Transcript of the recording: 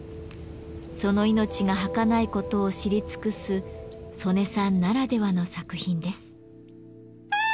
その命がはかないことを知り尽くす曽根さんならではの作品です。